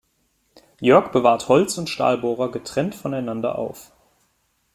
Jörg bewahrt Holz- und Stahlbohrer getrennt voneinander auf.